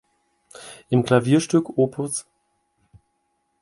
Im "Klavierstück op.